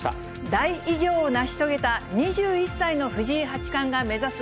大偉業を成し遂げた２１歳の藤井八冠が目指す